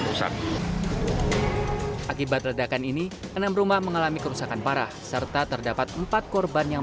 rusak akibat ledakan ini enam rumah mengalami kerusakan parah serta terdapat empat korban yang